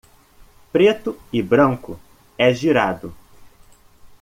Preto e branco, é girado.